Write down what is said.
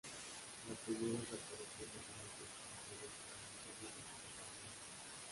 La primera es la aparición de herramientas digitales para el diseño y la fabricación.